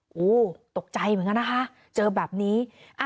โอ้โหตกใจเหมือนกันนะคะเจอแบบนี้